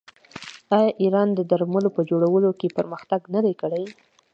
آیا ایران د درملو په جوړولو کې پرمختګ نه دی کړی؟